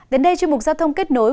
đến đây chương trình giao thông kết nối